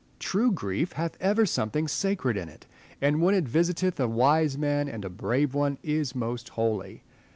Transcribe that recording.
True grief hath ever something sacred in it ; and, when it visiteth a wise man and a brave one, is most holy.